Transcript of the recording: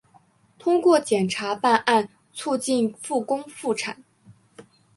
通过检察办案促进复工复产